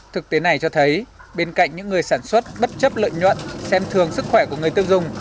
thực tế này cho thấy bên cạnh những người sản xuất bất chấp lợi nhuận xem thường sức khỏe của người tiêu dùng